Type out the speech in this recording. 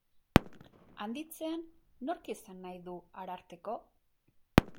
Handitzean, nork izan nahi du Ararteko?